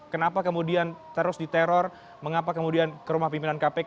kenapa kemudian terus diteror mengapa kemudian ke rumah pimpinan kpk